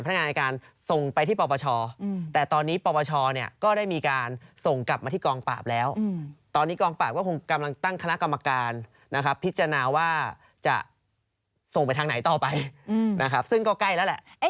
งานอายการส่งไปที่ปปชแต่ตอนนี้ปปชเนี่ยก็ได้มีการส่งกลับมาที่กองปราบแล้วตอนนี้กองปราบก็คงกำลังตั้งคณะกรรมการนะครับพิจารณาว่าจะส่งไปทางไหนต่อไปนะครับซึ่งก็ใกล้แล้วแหละ